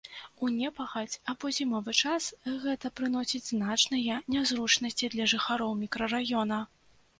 У непагадзь або зімовы час гэта прыносіць значныя нязручнасці для жыхароў мікрараёна.